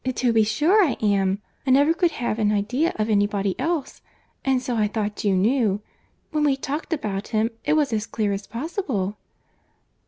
"To be sure I am. I never could have an idea of any body else—and so I thought you knew. When we talked about him, it was as clear as possible."